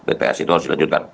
bts itu harus dilanjutkan